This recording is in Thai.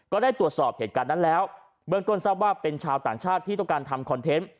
ก็ได้ตรวจสอบเหตุการณ์นั้นแล้วเบื้องต้นทราบว่าเป็นชาวต่างชาติที่ต้องการทำคอนเทนต์